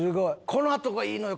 このあとがいいのよ